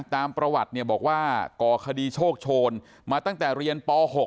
ตามประวัติเนี่ยบอกว่าก่อคดีโชคโชนมาตั้งแต่เรียนป๖